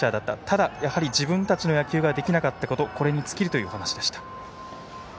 ただ自分たちの野球ができなかったことこれに尽きるという話でした。